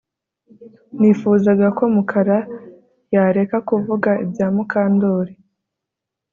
Nifuzaga ko Mukara yareka kuvuga ibya Mukandoli